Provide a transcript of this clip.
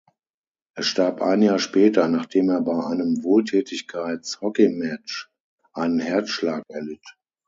Er starb ein Jahr später, nachdem er bei einem Wohltätigkeits-Hockeymatch einen Herzschlag erlitt.